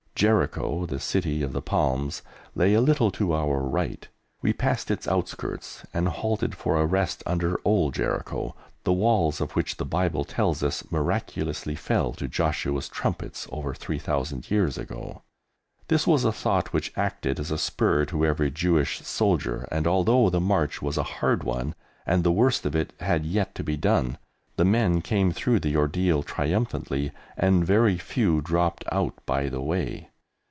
Jericho, the city of the Palms, lay a little to our right. We passed its outskirts and halted for a rest under Old Jericho, the walls of which the Bible tells us miraculously fell to Joshua's trumpets over 3,000 years ago. This was a thought which acted as a spur to every Jewish soldier, and although the march was a hard one and the worst of it had yet to be done, the men came through the ordeal triumphantly, and very few dropped out by the way.